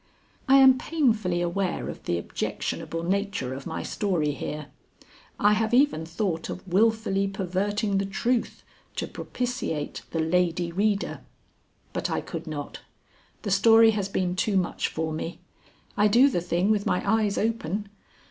I am painfully aware of the objectionable nature of my story here. I have even thought of wilfully perverting the truth to propitiate the Lady Reader. But I could not. The story has been too much for me. I do the thing with my eyes open.